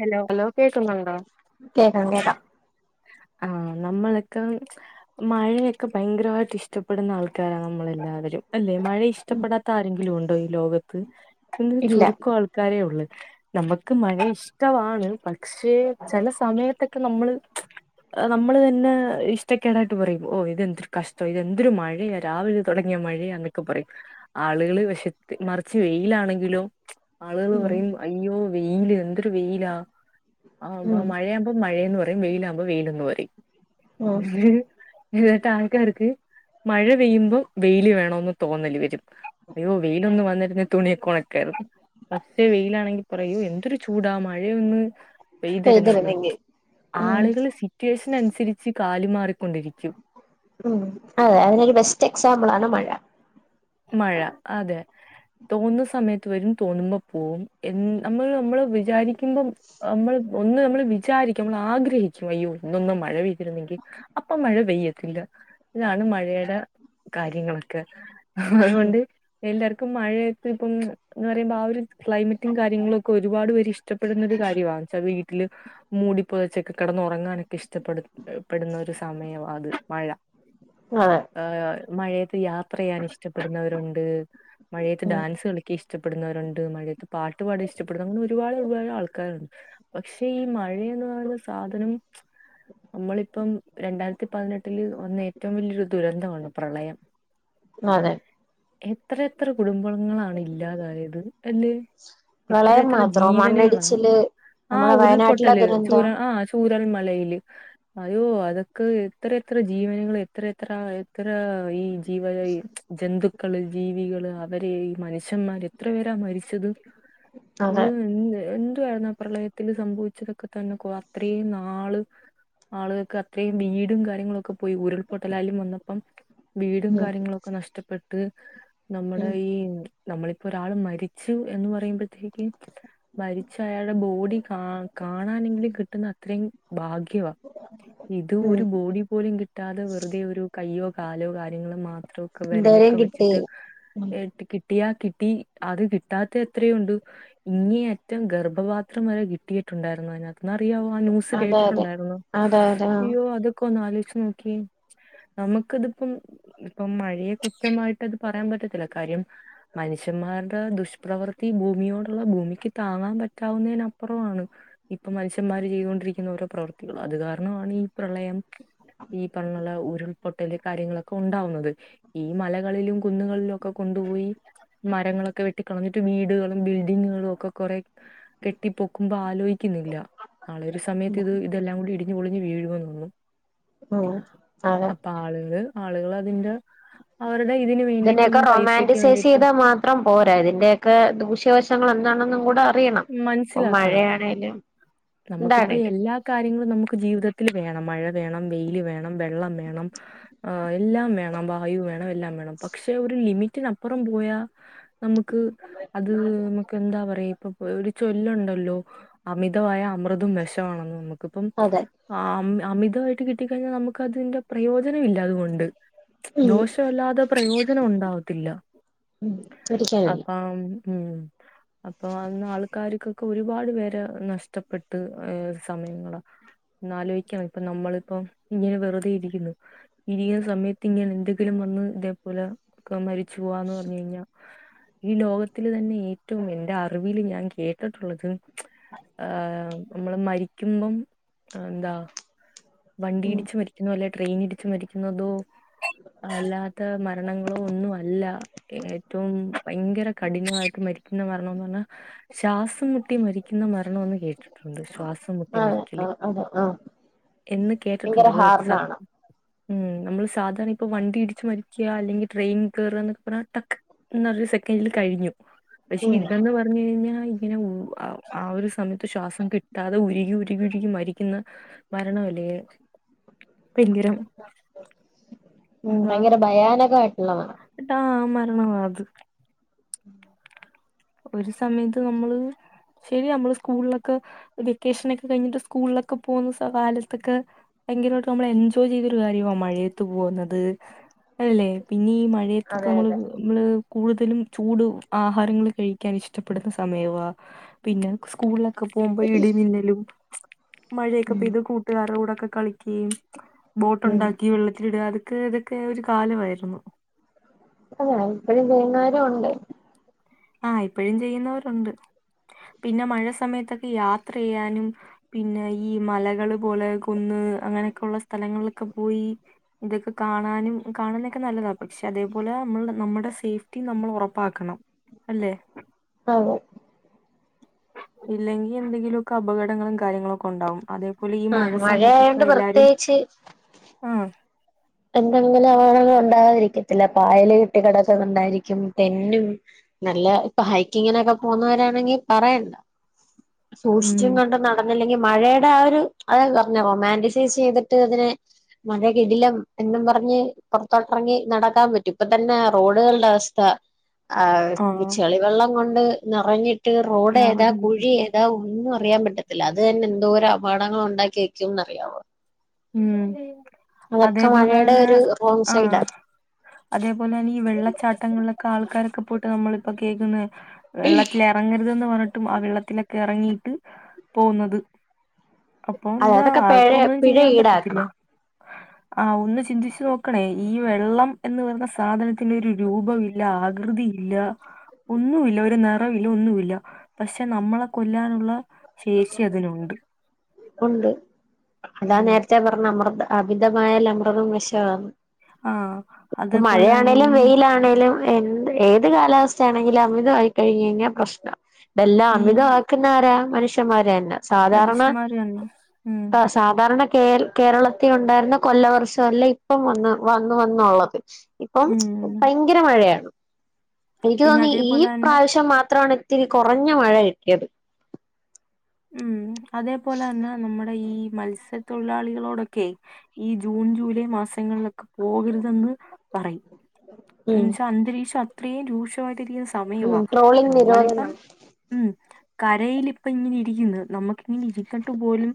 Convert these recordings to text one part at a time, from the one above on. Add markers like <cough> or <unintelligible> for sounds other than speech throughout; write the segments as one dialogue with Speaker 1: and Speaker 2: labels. Speaker 1: Hello hello കേക്കുന്നുണ്ടോ
Speaker 2: കേക്കാം കേക്കാം
Speaker 1: ആഹ് നമ്മളൊക്കെ മഴയൊക്കെ ഭയങ്കരമായിട്ട് ഇഷ്ടപ്പെടുന്ന ആൾക്കാരാണ് നമ്മളെല്ലാവരും എല്ലെ മഴ
Speaker 2: ഉം
Speaker 1: ഇഷ്ടപ്പെടാത്ത ആരെങ്കിലും ഉണ്ടോ ഈ ലോകത്ത് പി
Speaker 2: ഇല്ല
Speaker 1: ചുരുക്കം ആൾ കാരേ ഉള്ളൂ നമുക്ക് മഴ ഇഷ് ഇക്കവാണേ പക്ഷേ ചെല സമയത്തൊക്കെ നമ്മള് ഏഹ് നമ്മള് തന്നെ ഇഷ്ടക്കേടായിട്ട് പറയും ഓഹ് ഇതെന്തൊരു കഷ്ടാ ഇതെന്തൊരു മഴയാ രാവിലെ തൊടങ്ങിയ മഴയാ എന്നൊക്കെ പറയും ആളുകളെ വെശത്ത് മറിച്ച് വെയിലാണെങ്കിലോ ആളുകളു
Speaker 2: ഉം
Speaker 1: പറയും അയ്യോ വെയില് ആഹ് എന്തൊരു വെയിലാ ആഹ്
Speaker 2: ഉം
Speaker 1: മഴയാകുമ്പം മഴയെന്ന് പറയും വെയിലാകുമ്പം വെയിലെന്ന് പറയും ഉ
Speaker 2: ഉം
Speaker 1: <unintelligible> തായിട്ട് ആൾക്കാർക്ക് മഴ പെയ്യുമ്പോ വെയിലു വേണമ്ന്ന് തോന്നലു വരും അയ്യോ വെയിലൊന്നു വന്നിരുന്നേ തുണിയൊക്കെ ഒണക്കായിരുന്നു പക്ഷേ വെയിലാണെങ്കി പറയും അയ്യോ എന്തൊരു ചൂടാ മഴയൊന്ന് പെയതിരുന്നെങ്കിലും
Speaker 2: പെയ്തിരുന്നെങ്കി ഉം
Speaker 1: ആളുകളു സിറ്റ് വേഷൻ അനുസരിച് കാലു മാറിക്കൊണ്ടിരിക്കും
Speaker 2: ഉം ഓഹ് അതിനൊരു ബെസ്റ്റ് എക്സാമ്പിളാണ് മഴ
Speaker 1: മഴ അതെ തോന്നുന്ന സമയത്ത് വരും തോന്നുമ്പ പോം എന്ന് നമ്മള് നമ്മള് വിചാരിക്കുമ്പം നമ്മളെ ഒന്ന് നമ്മൾ വിചാരിക്കും നമ്മൾ ആഗ്രഹിക്കും അയ്യോ ഇന്നൊന്ന് മഴ പെയ്തിരുന്നെങ്കിൽ അപ്പം മഴ പെയ്യത്തില്ല ഇതാണ് മഴയുടെ കാര്യങ്ങളൊക്കെ
Speaker 2: ഉം
Speaker 1: അതുകൊണ്ട് എല്ലാർക്കും മഴയൊക്കെ ഇപ്പം എന്ന് പറയുമ്പം ആ ഒരു ക്ലൈമറ്റും കാര്യങ്ങളും ഒക്കെ ഒരുപാട് പേര് ഇഷ്ടപ്പെടുന്ന ഒരു കാര്യാ എന്നുവെച്ചാൽ വീട്ടില് മൂടിപ്പൊതച്ചൊക്കെ കെടന്നൊറങ്ങാനൊക്കെ ഇഷ്ടപെടുന്നൊരു സമയാ അത് മഴ
Speaker 2: അതെ
Speaker 1: ആഹ് മഴയത്ത് യാത്ര ചെയ്യാൻ ഇഷ്ടപ്പെടുന്നവരുണ്ട് മഴയത്ത്
Speaker 2: ഉം
Speaker 1: ഡാൻസ് കളിക്ക ക്കിഷ്ടപ്പെടുന്നവരുണ്ട് മഴയത്ത് പാട്ട് പാടാൻ ഇഷ്ടപ്പെടുന്ന അങ്ങന് ഒരുപാട് ഒരുപാട് ആൾക്കാരുണ്ട് പക്ഷെ ഈ മഴേന്ന് പറയുന്ന സാധനം നമ്മളിപ്പം രണ്ടായിരത്തി പതിനെട്ടില് വന്ന ഏറ്റവും വലിയൊരു ദുരന്തമാണ് പ്രളയം
Speaker 2: അതെ
Speaker 1: എത്ര എത്ര കുടുംബങ്ങളാണ് ഇല്ലാതായത് അല്ലേ എത്ര
Speaker 2: പ്രളയം
Speaker 1: എത്ര
Speaker 2: മാത്രോ
Speaker 1: ജീവനുകളാ
Speaker 2: മണ്ണിടിച്ചില്
Speaker 1: ആ
Speaker 2: നമ്മുടെ വയനാട്ടിലെ
Speaker 1: ഉരുൾപൊട്ടല് ചൂര
Speaker 2: ദുരന്തം
Speaker 1: ആഹ് ചൂരൽ മലയിയില് അയോ അതൊക്കെ എത്ര എത്ര ജീവനികൾ എത്രയത്ര എത്ര ഈ ജീവ ജന്തുക്കള് ജീവികള് അവരെ ഈഹ് മനുഷ്യമ്മാര് എത്ര പേരാ മരിച്ചത്
Speaker 2: അതെ
Speaker 1: നമുക്ക് എന്ത് എന്തുവാരുന്നു ആ പ്രളയത്തില് സംഭവിച്ചതൊക്കെ തന്നെ കോ അത്രയും നാള് ആളുകൾക്ക് അത്രയും വീടും കാര്യങ്ങളൊക്കെ പോയി ഉരുൾപൊട്ടലായാലും വന്നപ്പം വീടും
Speaker 2: ഉം
Speaker 1: കാര്യങ്ങളൊക്കെ നഷ്ടപ്പെട്ട് നമ്മുടെ
Speaker 2: ഉം
Speaker 1: ഈഹ് നമ്മളിപ്പോ ഒരാള് മരിച്ചു എന്ന് പറയുമ്പോഴത്തേക്ക്‌ മരിച്ച് അയാടെ ബോഡി കാ കാണാനെങ്കിലും കിട്ടുന്നത്രേം ഭാഗ്യമാ ഇതു
Speaker 2: ഉം
Speaker 1: ഒരു ബോഡി പോലും കിട്ടാതെ വെറുതെ ഒരു കയ്യോ കാലോ കാര്യങ്ങളോ മാത്രോ ക്ക്‌
Speaker 2: ധൈര്യം
Speaker 1: വിരലൊക്കെ
Speaker 2: കിട്ടി
Speaker 1: വെച്ചിട്ട്
Speaker 2: ഉം
Speaker 1: ഏഹ് കിട്ടിയാ കിട്ടി അത് കിട്ടാത്ത എത്രയോ ഉണ്ട് ഇങ്ങേ അറ്റം ഗർഭപാത്രം വരെ കിട്ടിയിട്ടുണ്ടായിരുന്നു അതിനകത്ത് ഇന്നറിയാവോ ആ ന്യൂസ്
Speaker 2: അതെ അതെ
Speaker 1: കേട്ടിട്ടുണ്ടായിരുന്നോ
Speaker 2: അതെ അതെ ആഹ്
Speaker 1: അയ്യോ അതൊ ക്കൊന്നാലോചിച്ച് നോക്കിയേ നമുക്കതിപ്പം ഇപ്പം മഴ ഏഹ് കുൃത്യമായിട്ടത് പറയാൻ പറ്റത്തില്ല കാര്യം മനുഷ്യന്മാരുടെ ദുഷ്പ്രവർത്തി ഭൂമിയോടുള്ള ഭൂമിക്ക് താങ്ങാൻ പറ്റാവുന്നതിന് അപ്പുറമാണ് ഇപ്പം മനുഷ്യമ്മാര് ചെയ്തോണ്ടിരിക്കുന്ന ഓരോ പ്രവൃത്തികള് അത് കാരണമാണ് ഈ പ്രളയം ഈ പണ്ണോള്ള ഉരുൾപൊട്ടല് കാര്യങ്ങളൊക്കെ ഉണ്ടാവുന്നത് ഈഹ് മലകളിലും കുന്നുകളിലും ഒക്കെ കൊണ്ടുപോയി മരങ്ങളൊക്കെ വെട്ടി കളഞ്ഞിട്ട് വീടുകളും ബിൽഡിങ്ങുകളും ഒക്കെ കൊറെ കെട്ടി പൊക്കുമ്പം ആലോയ്ക്ക്ന്നില്ല ഒരു
Speaker 2: ഉം
Speaker 1: സമയത്ത് ഇത് ഇതെല്ലാം കൂടി ഇടിഞ്ഞ് പൊളിഞ്ഞ് വീഴും എന്നുന്ന്
Speaker 2: ഉം അതെ
Speaker 1: അപ്പ ആളുകള് ആളുകളതിന്റെ അവറ്ടെ ഇതിന്
Speaker 2: ഇതിനെയൊക്കെ
Speaker 1: പൈസക്ക് വേണ്ടിയിട്ടും
Speaker 2: റൊമാന്റിസീസീതാ മാത്രം പോരാ, ഇതിന്റെയൊക്ക ദൂഷ്യവശങ്ങൾ എന്താണും കൂട റിയണം. ഇപ്പൊ
Speaker 1: മനസ്സിലാക്കണം
Speaker 2: മഴയാണേലും.
Speaker 1: നമുക്കിപ്പ
Speaker 2: എന്താണേലും
Speaker 1: എല്ലാ കാര്യങ്ങളും നമുക്ക് ജീവിതത്തിൽ വേണം. മഴ വേണം, വെയില് വേണം. വെള്ളം വേണം. ഏഹ് എല്ലാം വേണം. വായു വേണം എല്ലാം വേണം പക്ഷെ ഒരു ലിമിറ്റിനപ്പുറം പോയാ നമുക്ക് അത് നമുക്ക് എന്താ പറയാ ഇപ്പൊ ഒരു ചൊല്ലുണ്ടല്ലോ അമി തായ അമൃതും വെഷവാണെന്ന് നമുക്കിപ്പം
Speaker 2: അതെ
Speaker 1: ആഹ് അമിതായിട്ട് കിട്ടിക്കഴിഞ്ഞ നമുക്കതിന്റെ പ്രയോജനം ഇല്ല അതുകൊണ്ട്.
Speaker 2: ഉം
Speaker 1: ദോഷല്ലാതെ പ്രയോജനം ഉണ്ടാവത്തില്ല.
Speaker 2: ഒരിക്കലുല്ല
Speaker 1: അപ്പം ഉം അപ്പൊ അന്ന് ആൾക്കാർക്കൊക്ക ഒരുപാട് പേരെ നഷ് നഷ്ടപ്പെട്ട് ഏഹ് സമയങ്ങള ഒന്ന് ആലോയ്ക്കണം. ഇപ്പൊ നമ്മളിപ്പം ഇങ്ങനെ വെറുതെ ഇരിക്ക്ന്ന്. ഇരിക്കുന്ന സമയത്ത് ഇങ്ങനെ എന്തെങ്കിലും വന്ന് ഇതേപോലെ മരിച്ചു പോവാന്ന് പറഞ്ഞഴിഞ്ഞ ഈ ലോകത്തില് തന്നെ ഏറ്റവും എന്റെ അറിവിൽ ഞാൻ കേട്ടിട്ടുള്ളത് ആഹ് നമ്മള് മരിക്കുമ്പം എന്താ
Speaker 2: ഉം
Speaker 1: വണ്ടിയിടിച്ച് മരിക്കുന്ന പോലെ ട്രെയിനിടിച്ച് മരിക്കുന്നതോ അല്ലാത്ത മരണങ്ങളൊന്നും അല്ല. ഏറ്റവും ഭയങ്കര കഠിനമായിട്ട് മരിക്കുന്ന മരണൊന്ന് പറ്ഞ്ഞ ശ്വാസം മുട്ടി മരിക്കുന്ന മര്ണൊന്ന് കേട്ടിട്ടുണ്ട്. ശ്വാസം മുട്ടി മരിക്കല്
Speaker 2: ആഹ് ആഹ്
Speaker 1: എന്ന് കേട്ട്ട്ടുണ്ട്.
Speaker 2: ഭയങ്കര
Speaker 1: അത് സ
Speaker 2: ഹാർഡാണ്
Speaker 1: ഉം നമ്മള് സാധാര്ണ ഇപ്പൊ വണ്ടി ഇടിച്ച് മരിക്ക, അല്ലെങ്കി ട്രെയിൻ കേറ ന്നൊക്ക പറഞ്ഞ ടക്ക് ന സെക്കൻഡില് കഴിഞ്ഞു പക്ഷെ
Speaker 2: ഉം
Speaker 1: ഇതെന്ന് പറഞ്ഞു കഴിഞ്ഞാൽ ആഹ് ഒരു സമയത്ത് ശ്വാസം കിട്ടാതെ ഉരുകി, ഉരുകി ഉുരുകി മരിക്ക്ന്ന ആണോലേ, ഭയങ്കരം.
Speaker 2: ഉം
Speaker 1: അതാ
Speaker 2: ഭയങ്കര ഭയാനകായിട്ടുള്ളത
Speaker 1: ട്ടാ മരണമാത്
Speaker 2: ഉം
Speaker 1: ഒര് സമേത്ത് നമ്മള് ശെരിയ നമ്മള് സ്കൂളിലൊക്ക വെക്കേഷൻ ഒക്ക കഴിഞ്ഞിട്ട്, സ്കൂളിലൊക്ക പോവുന്ന കാലത്തൊക്ക? ഭയങ്കരായിട്ട് നമ്മൾ എൻജോയ് ചെയ്തൊരു കാര്യാ മഴയത്ത് പോവുന്നത്. അല്ലെ പിന്നീ മ ഴത്തൊക്ക
Speaker 2: അതെ
Speaker 1: നമ്മള്
Speaker 2: അതെ
Speaker 1: മ്മള് കൂടുതലും ചൂട് ആഹാരങ്ങള് ഇഷ്ടപ്പെടുന്ന സമയവാ, പിന്നെ സ്കൂളിലൊക്ക പോവുമ്പഴ് ഇടി മിന്നലും. മഴയൊക്ക
Speaker 2: ഉം
Speaker 1: പെയ്ത് കൂട്ടുകാര്ടെ കൂടൊക്ക കളിക്കേം ബോട്ട്
Speaker 2: ഉം
Speaker 1: ഉണ്ടാക്കി വെള്ളത്തിലിടാ ക്ക ഇതൊക്കെ ഒരു കാലവായിരുന്നു.
Speaker 2: അല്ല ഇപ്പഴും ചെയുന്നവരു ഉണ്ട്.
Speaker 1: ആഹ് ഇപ്പഴും ചെയ്യുന്നവരുണ്ട്. പിന്നെ മഴ സമയത്തൊക്ക യാത്ര യ്യാനും, പിന്നെ ഈ മലകള് പോല കുന്ന് അങ്ങനെയൊക്ക ഉള്ള സ്ഥലങ്ങളിലൊക്ക പോയി ഇതൊക്ക കാണാനും കാണാനൊക്ക നല്ലത അതേപോലെ നമ്മ നമ്മടെ സേഫ്റ്റി നമ്മൾ ഒറപ്പാക്കണം. അല്ലെ
Speaker 2: ആ
Speaker 1: ഇല്ലെങ്കിൽ എന്തെങ്കിലുമൊക്കെ അപകടങ്ങളും കാര്യങ്ങളൊ ഒക്കെ ഉണ്ടാവും. അതേ അത് പോലെ ഈ
Speaker 2: ആഹ്
Speaker 1: മഴ സമയത്തൊക്കെ
Speaker 2: മഴയായോണ്ട്
Speaker 1: എല്ലാരും
Speaker 2: പ്രത്യേകിച്ച്
Speaker 1: ആ
Speaker 2: എന്തെങ്കിലും ആ പകടങ്ങൾ ഉണ്ടാകാതിരിക്കത്തില്ല. പായല് കെട്ടി കിടക്കുന്നുണ്ടായിരിക്കും. തെന്നും. നല്ല ഇപ്പൊ ഹൈക്കിങ്ങിനൊക്കെ പോകുന്നവരാണെങ്കിൽ പറയണ്ട സൂക്ഷിച്ചും
Speaker 1: ഉം
Speaker 2: കൊണ്ട് പറഞ്ഞെങ്കിൽ മഴയുടെ ആ ഒരു അത പറഞ്ഞ റൊമാന്റിസൈസ് ചെയ്തിട്ട് അതിനെ മഴ കിടിലം എന്നും പറഞ്ഞ് പുറത്തോട്ടറങ്ങി നടക്കാൻ പറ്റും ഇപ്പ തന്നെ റോഡുകളുടെ അവസ്ഥ
Speaker 1: ആ
Speaker 2: ആ് ചെളിവെള്ളം കൊണ്ട് നിറഞ്ഞിട്ട് റോഡ് ഏതാ
Speaker 1: നിറഞ്ഞിരിക്കും
Speaker 2: കുഴി ഏതാ ഇതാ ഒന്നും അറിയാ പറ്റത്തില്ല അത് തന്നെ എന്തോര അപകടങ്ങൾ ഉണ്ടാക്കി വെക്കുംന്ന് അറിയാമോ?
Speaker 1: ഉം അതേ പോലെ
Speaker 2: മഴയുടെ
Speaker 1: തന്നെ
Speaker 2: ഒരു റോങ് സൈഡാ
Speaker 1: ആഹ് അതേ പോലെ അന്നെ ഈ വെള്ളച്ചാട്ടങ്ങളിലക്കെ ആൾക്കാരൊക്കെ പൊ നമ്മളിപ്പോ കേക്ക്ന്നേ വെള്ളത്തില് എറങ്ങരുതാന്ന് പറഞ്ഞിട്ടും ആഹ് വെള്ളത്തിലൊ എറങ്ങിയിട്ട് പോന്നത് അപ്പൊ
Speaker 2: അത്
Speaker 1: എന്താ
Speaker 2: അതൊക്കെ പിഴ
Speaker 1: ആർക്കും ഒന്നും
Speaker 2: പിഴ
Speaker 1: ചെയ്യാൻ പറ്റത്തില്ലാ
Speaker 2: ഈടാക്കണം
Speaker 1: ആഹ് ഒന്ന് ചിന്തിച്ച് നോക്കാണേ ഈ വെള്ളം എന്ന് പറഞ്ഞാ സാധനത്തിന് ഒര് രൂപമി ല്ലാ ആകൃതി ഇല്ല ഒന്നും ഇല്ല ഒര് നെറും ഇല്ലാ ഒന്നുയില്ലാ പശേ നമ്മളെ കൊല്ലാനോള്ള ശേഷി അതിനേണ്ട്
Speaker 2: ഒണ്ട് അതാ
Speaker 1: ഉം
Speaker 2: നേരത്തെ പറഞ്ഞേ അമൃതാ അമിതമായല് അമൃതം വെശാന്ന്
Speaker 1: ആഹ്
Speaker 2: ഇപ്പാ
Speaker 1: അതേപോലെ തന്നെ
Speaker 2: മഴയാണേലും
Speaker 1: ഈ
Speaker 2: വെയിലാണെലും എന്ത് ഏത് കാലാവസ്ഥയാണെങ്കിലും അമിതമായി കയിഞ്ഞ് കയിഞ്ഞാ പ്രശ്നാ ഇതെല്ലാം
Speaker 1: ഈ
Speaker 2: അമിതാ ക്ക്ന്നാര മനുഷന്മാരന്നാ
Speaker 1: മനുഷ്യൻമാര് അന്നാ
Speaker 2: സാധാരണ കേ കേരളത്തി ഒണ്ടാര്ന്നാ കൊല്ല വർഷം അല്ല ഇപ്പം വന്ന് വന്ന് ഒള്ളത് ഇപ്പം
Speaker 1: ഉം
Speaker 2: ബയങ്കര മഴയാണ് എനിക്ക്
Speaker 1: പിന്നെ
Speaker 2: തോന്ന് ഇ
Speaker 1: അതേപോലെ
Speaker 2: ഈ
Speaker 1: തന്നെ
Speaker 2: പ്രാവശ്യം മാത്രാണ് ഇത്തിരി കൊറഞ്ഞ മഴ കിട്ടിയത്
Speaker 1: ഉം അതേ പോലെ തന്നെ നമ്മടെ ഈ മത്സ്യത്തൊഴിലാളികളോ ഒടൊക്കെ ഈ ജൂൺ ജൂലൈ മാസങ്ങളിലൊക്കെ പോകര്തെന്ന് പറയും
Speaker 2: ഉം
Speaker 1: എന്ന് വെച്ചാ അന്തരീക്ഷം അത്രയും രൂക്ഷമായിട്ടിരിക്ക്ന്നാ
Speaker 2: ഉ ട്രോളിംങ് നിരോധനം
Speaker 1: ഉം കരേല് ഇപ്പം ഇങ്ങനെ ഇരിക്ക്ന്ന് നമ്മക്ക് ഇങ്ങനെ ഇര്ന്നിട്ട് പോലും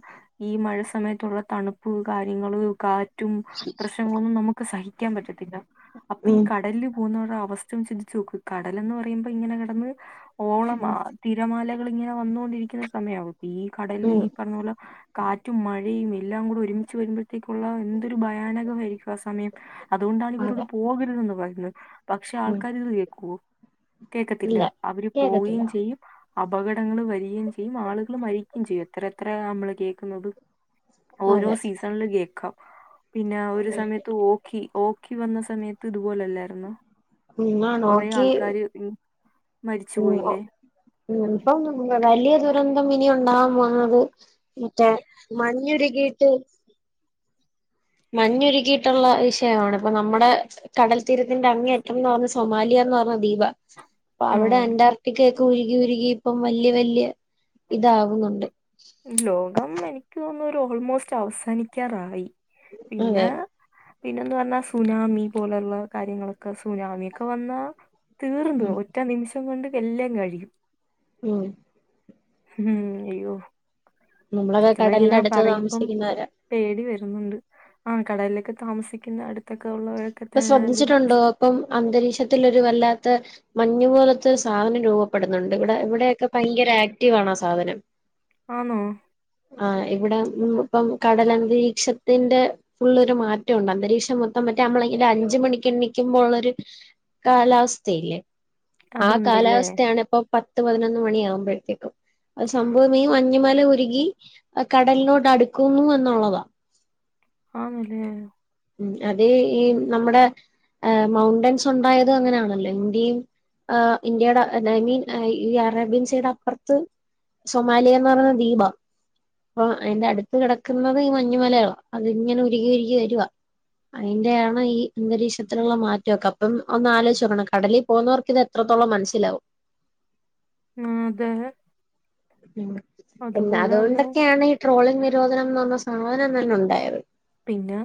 Speaker 1: ഈ മഴ സമയത്ത് ഒള്ള തണുപ്പ് കാര്യങ്ങളു കാ റ്റും പ്രശ്നങ്ങളൊന്നും നമ്മക്ക് സഹിക്ക്യാൻ പറ്റത്തില്ല അപ്പേ ഈ
Speaker 2: ഉം
Speaker 1: കടലിലൂം പോന്നാവറേ അവസ്ഥ ഒന്ന് ചിന്തിച്ച് നോക്ക് കടലാ എന്ന് പറയ്മ്പോ ഇങ്ങനെ കെടന്ന് ഓളം ആഹ് തിരമാല ള് ഇങ്ങനെ വന്നൊണ്ടിരിക്ക്ന്നാ സമയവും ഇപ്പെ ഈ കടലില്
Speaker 2: ഉം
Speaker 1: ഈ പറഞ്ഞോലെ കാറ്റും മഴയും എല്ലാം കൂടെ ഒര്മിച്ച് വെരുമ്പോഴത്തേക്കോള്ള എന്തൊരു ബയാനകമായിരിക്കും ആഹ് സമയം അത് കൊണ്ടാണ് ഇവരോട്
Speaker 2: അതെ
Speaker 1: പോകര്തോന്ന് പറയ്ന്നത് പശേ
Speaker 2: ഉം
Speaker 1: ആൾക്കാര് ഇത് കേക്കൂവേ കേക്കത്തില്ല
Speaker 2: ഇല്ല
Speaker 1: അവര് പോയി
Speaker 2: കേക്കത്തില്ല
Speaker 1: ചെയ്യും അപകടങ്ങള് വെരികയും ചെയ് ആളുകള് മരിക്ക്യായും ചെയ്യം എത്ര എത്ര നമ്മള് കേക്ക്ന്നാത് ഓരോ
Speaker 2: അതെ
Speaker 1: സീസാ കള് കേക്കാം പിന്നെ ഒര് സമയത്ത് ഒ കി ഓക്കി വന്നാ സമയത്ത് ഇത് പോലേ അല്ലാര്ന്നോ
Speaker 2: ഉം ആ
Speaker 1: കൊറെ
Speaker 2: നോക്കി
Speaker 1: ആൾക്കാര് മ മരിച്ച് പോയില്ലോ
Speaker 2: ഇപ്പൊ വല്ല്യായ ദുരന്തം ഇനി ഒണ്ടാവാൻ പോന്നാത് മറ്റേ മഞ്ഞുരുകിട്ട് മഞ്ഞരുക്കിയിട്ടോള്ള വിഷയാണ് ഇപ്പൊ നമ്മടെ കടൽത്തീരത്തിന്റെ അങ്ങേറ്റം എന്ന് പറഞ്ഞ് സൊമാലിയന്ന് പറഞ്ഞാ ദീപാ അപ്പൊ അവടെ
Speaker 1: ഉം
Speaker 2: അന്റാർടിക്കിയാക്കെ ഉരുകി ഉരുകി ഇപ്പം വല്ല്യായ വല്ല്യാ ഇതിവുന്നോണ്ട്
Speaker 1: ലോകം എനിക്ക് തോന്നന്നും ഒര് ഓൾമോസ്റ്റ് അവസാനിക്കാറായി
Speaker 2: അതെ
Speaker 1: പിന്നെ പിന്നെ എന്ന് പറഞ്ഞാ സുനാമി പോലെള്ളാ കാര്യങ്ങളൊക്കെ സുനാമി ഒക്കെ വന്നാ തീർന്നു
Speaker 2: ഉം
Speaker 1: ഒറ്റാ നിമിഷം കൊണ്ട് എല്ലാം കയിയും
Speaker 2: ഉം
Speaker 1: ഉം അയ്യോ
Speaker 2: നമ്മളൊക്കെ
Speaker 1: സത്യം പറഞ്ഞാ
Speaker 2: കടലിന്റെ
Speaker 1: ഇങ്ങനെ
Speaker 2: അടുത്ത്
Speaker 1: പറയ്മ്പം
Speaker 2: താമസിക്കുന്നവരാ
Speaker 1: പേടി വേര്ന്നോണ്ട് ആഹ് കടലൊക്കെ താമസിക്കുന്നാ അട്ത്തൊക്കെ ഉള്ളവരൊക്കെ
Speaker 2: ഇപ്പൊ
Speaker 1: തന്നാലും
Speaker 2: ശ്രദ്ധിച്ചിട്ടുണ്ടോ ഇപ്പം അന്തരീക്ഷത്തില് ഒര് വല്ലാത്ത മഞ്ഞ് പോലത്തെ ഒര് സാനം രൂപപ്പെടുന്നോണ്ട് ഇവടെ ഇവടെയൊക്കെ പയങ്കര ആക്റ്റീവാണ് ആ സാനം
Speaker 1: ആന്നോ
Speaker 2: ആഹ് ഇവടെ ഇപ്പം കടലന്തരീക്ഷത്തിന്റെ ഫുൾ ഒര് മാറ്റം ഒണ്ട് അന്തരീക്ഷം മൊത്തം മറ്റേ അമ്മ ഇല്ല അഞ്ച് മണിക്ക് എണ്ണിക്കുമ്പോ ഉള്ളൊരു കാലാവസ്ഥയില്ലേ ആ
Speaker 1: അതുണ്ടല്ലേ
Speaker 2: കാലാവസ്ഥയാണ് ഇപ്പൊ പത്ത് പതിനൊന്ന് മണി ആകുമ്പോഴത്തേക്കും ആ സംഭവം ഈ മഞ്ഞു മല ഉരുകി ആ കടലിനോട് അടുക്കുന്നു എന്നുള്ളത
Speaker 1: ആണ്ലെ
Speaker 2: ഉം അതെ ഈ നമ്മുടെ മൗണ്ടൻസ് ഉണ്ടായതും അങ്ങനെയാണല്ലോ ഇന്ത്യും ആ് ഇന്ത്യയുടെ ഐ മീൻ ഈ അറേബ്യൻ സീയുടെ അപ്പുറത്ത് സൊമാലിയന്ന് പറഞ്ഞ ദീപ അപ്പൊ അയിന്റെ അടുത്ത് കിടക്കുന്നത് ഈ മഞ്ഞുമലകള അതിങ്ങനെ ഉരുകി ഉരുകി വരുവാ അയിന്റെ ആാണ് ഈ അന്തരീക്ഷത്തിലുള്ള മാറ്റമൊക്കെ അപ്പം ഒന്ന് ആലോയിച്ച് നോക്കണം കടലിൽ പോകുന്നവർക്കിത് എത്രത്തോളം മനസ്സിലാവും
Speaker 1: അതെ അതുപോലെ തന്നെ
Speaker 2: അതുകൊണ്ടൊക്കെയാണ് ഈ ട്രോളിങ് നിരോധനംന്ന് പറഞ്ഞ സാധനം തന്നെ ഉണ്ടായത്
Speaker 1: പിന്നെ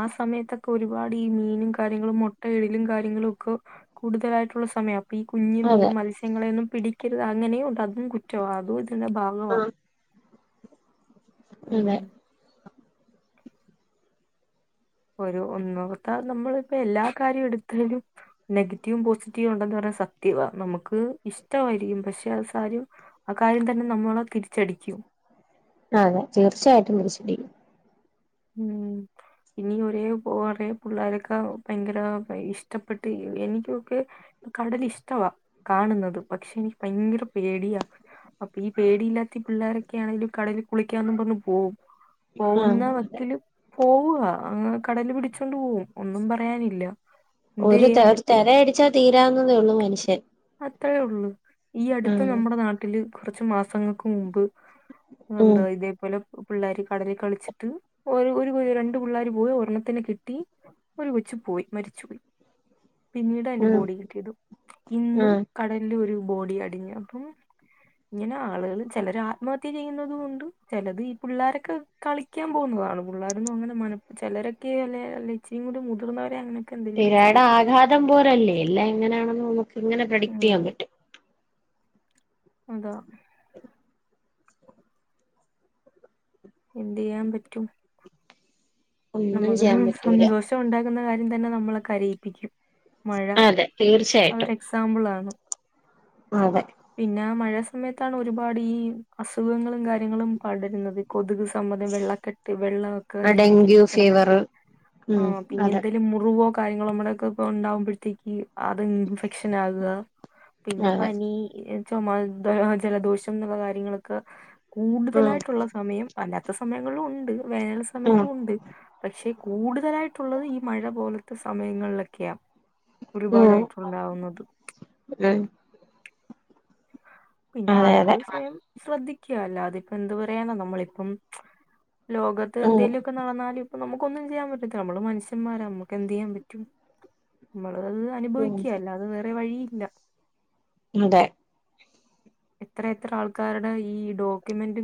Speaker 1: ആ സമയത്തൊക്കെ ഒരുപാട് ഈ മീനും കാര്യങ്ങളും മുട്ടയിടലും കാര്യങ്ങളും ഒക്കെ കൂടുതലായിട്ടുള്ള സമയം അപ്പൊ ഈ കുഞ്ഞ് മീൻ
Speaker 2: അതെ
Speaker 1: മത്സ്യങ്ങളെയൊന്നും പിടിക്കരുത് അങ്ങനെയു ഉണ്ട് അതും കുറ്റവാ അതും ഇതിന്റെ ഭാഗവാ
Speaker 2: ആഹ്
Speaker 1: ഉം
Speaker 2: അതെ
Speaker 1: ഹം ഒരു ഒന്നോർത്ത നമ്മളിപ്പോ എല്ലാ കാര്യം എടുത്താലും നെഗറ്റീവും പോസിറ്റീവും ഉണ്ടന്ന് പറഞ്ഞ സത്യവാ നമുക്ക് ഇഷ്ടമായിരിക്കും പക്ഷെ അത് സാര ആ കാര്യം തന്നെ നമ്മളെ തിരിച്ചടിക്കും
Speaker 2: അതെ തീർച്ചയായിട്ടും തിരിച്ചടിക്കും
Speaker 1: ഉം ഇനി ഒരേ ഒറെേ പിള്ളോരൊക്കെ ഭയങ്കര ഇഷ്ടപ്പെട്ട് എനിക്കൊക്കെ കടൽ ഇഷ്ടവാ കാണുന്നത് പക്ഷെ എനിക്ക് ഭയങ്കര പേടിയാ അപ്പൊ ഈ പേടിയില്ലാത്ത പിള്ളോരൊക്കെ ആണെങ്കിലും കടലിൽ കുളിക്കാനന്നും പറഞ്ഞു പോവും
Speaker 2: ആഹ്
Speaker 1: പോവുന്ന
Speaker 2: അതെ
Speaker 1: ക്കില് പോവാ അങ് കടല് പിടിച്ചൊണ്ട് പോകും ഒന്നും പറയാനില്ല എന്ത്
Speaker 2: ഒരു
Speaker 1: ചെയ്യാൻ പറ്റും
Speaker 2: തിരയടിച്ചാൽ തീരാവുന്നതേ ഉള്ളൂ മനുഷ്യൻ
Speaker 1: അത്രയേ ഉള്ളു ഈ അടുത്ത്
Speaker 2: ആഹ്
Speaker 1: നമ്മുടെ നാട്ടില് കുറച്ചു മാസങ്ങൾക്ക് മുമ്പ്
Speaker 2: ഉം
Speaker 1: എന്തോ ഇതേപോലെ പിള്ളേര് കടലിൽ കളിച്ചിട്ട് ഒരു രണ്ട് പിള്ളേര് പോയി ഒരെണ്ണത്തിനെ കിട്ടി ഒരു കൊച്ചു പോയി മരിച്ചുപോയി പിന്നീട അയിന്റെ ബോഡി കിട്ടിയത് ഇന്നും
Speaker 2: ആഹ
Speaker 1: കടലിൽ ഒരു ബോഡി അടിഞ്ഞു അപ്പം ഇങ്ങനെ ആളുകള് ചിലര് ആത്മഹത്യ ചെയ്യുന്നതുണ്ട് ചിലത് ഈ പിള്ളോരൊക്കെ കളിക്കാൻ പോകുന്നതാണ് പിള്ളേരൊന്നും അങ്ങനെ മന ചിലരൊക്കെ അല്ലല്ല ഇച്ചിരി കൂടി മുതിർന്നവരെ അങ്ങനെ
Speaker 2: തിരെടെ ആഘാതം പോലല്ലേ ഇല്ല എങ്ങനെയാണെന്ന് നമുക്ക് ഇങ്ങനെ പ്രൊഡിക്ട് ചെയ്യാൻ
Speaker 1: ഉം
Speaker 2: പറ്റും
Speaker 1: അതാ എന്തെയ്യാൻ പറ്റും
Speaker 2: ഒന്നും
Speaker 1: നമുക്ക്
Speaker 2: ചെയ്യാൻ പറ്റൂല
Speaker 1: സന്തോഷ ഉണ്ടാക്കുന്ന കാര്യം തന്നെ നമ്മളെ കരയിപ്പിക്കും മഴ
Speaker 2: അതെ തീർച്ചയായിട്ടും
Speaker 1: അതൊരു എക്സാമ്പിൾ ആണ്
Speaker 2: അതെ
Speaker 1: പിന്നെ മഴ സമയത്താണ് ഒരുപാട് ഈ അസുഖങ്ങളും കാര്യങ്ങളും പടരുന്നത് കൊതുക് സംമ്മധം വെള്ള കെട്ട് വെള്ള ക്കെ ഇങ്ങനെ
Speaker 2: ഡെങ്കു ഫീവർ
Speaker 1: കെട്ടിക്കിടന്നിട്ട്
Speaker 2: ഉം
Speaker 1: ആഹ് പിന്നെ
Speaker 2: അതെ
Speaker 1: എന്തേലും മുറിവൊ കാര്യങ്ങളും നമ്മുടൊക്കെ ഇപ്പൊ ഉണ്ടാവുമ്പോഴത്തേക്ക് അത് ഇൻഫെക്ഷൻ ആകുക പിന്നെ
Speaker 2: അതെ
Speaker 1: പനി ചുമ ജലദോഷം എന്നുള്ള കാര്യങ്ങളൊക്കെ
Speaker 2: ഉം
Speaker 1: കൂടുതലായിട്ടുള്ള സമയം അല്ലാത്ത സമയങ്ങളിലും ഉണ്ട് വേനൽ
Speaker 2: ഉം
Speaker 1: സമയത്തു
Speaker 2: ഉം
Speaker 1: ഉണ്ട് പക്ഷെ കൂടുതലായിട്ടുള്ളത് ഈ മഴ പോലത്തെ സമയങ്ങളിലൊക്കെയാ ഒരുപാടായിട്ടുണ്ടാവുന്നത്
Speaker 2: ഉം
Speaker 1: പിന്നെ
Speaker 2: അതെ
Speaker 1: ആളുകള് സ്വയം ശ്രദ്ധിക്ക അല്ലാതെ ഇപ്പൊ എന്ത് പറയാനാ നമ്മളിപ്പം ലോകത്ത്
Speaker 2: ഉം
Speaker 1: എന്തേങ്കലുഒക്കെ നടന്നാലും ഇപ്പൊ നമുക്ക ഒന്നും ചെയ്യാൻ പറ്റത്തില്ല നമ്മള് മനഷ്യന്മാരാ നമുക്ക് എന്ത് ചെയ്യാൻ പറ്റും നമ്മളത്
Speaker 2: ഉം
Speaker 1: അനുഭവിക്കുക അല്ലാതെ വേറെ വഴിയില്ല
Speaker 2: അതെ
Speaker 1: എത്ര എത്ര ആൾക്കാരുടെ ഈ ഡോക്യൂുമെന്റ്